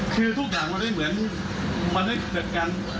คือทุกอย่างไม่ได้เกิดการ